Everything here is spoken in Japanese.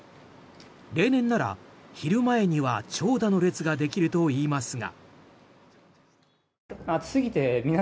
例年なら昼前には長蛇の列ができるといいますが。